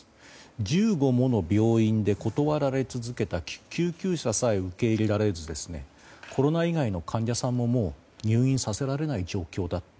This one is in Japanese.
１５もの病院で断られ続けた救急車さえ受け入れられずコロナ以外の患者さんももう入院をさせられない状況だと。